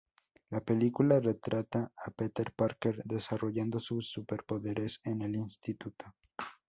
La película retrata a Peter Parker desarrollando sus superpoderes en el instituto.